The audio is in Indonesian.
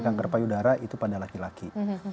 kanker payudara itu pada laki laki